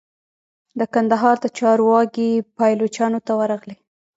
د کندهار د چارو واګي پایلوچانو ته ورغلې.